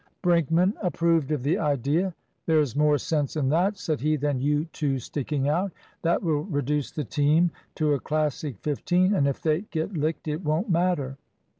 Brinkman approved of the idea. "There's more sense in that," said he, "than you two sticking out. That will reduce the team to a Classic fifteen, and if they get licked it won't matter."